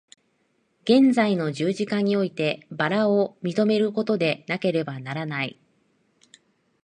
現在の十字架において薔薇を認めることでなければならない。